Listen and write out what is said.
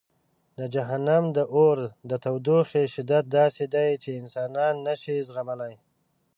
د جهنم د اور د تودوخې شدت داسې دی چې انسانان نه شي زغملی.